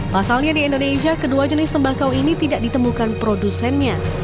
pasalnya di indonesia kedua jenis tembakau ini tidak ditemukan produsennya